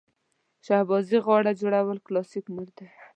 شهبازي غاړه جوړول کلاسیک موډ دی.